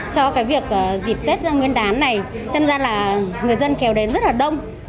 cho việc dịp tết nguyên đán này thật ra là người dân kéo đến rất là đông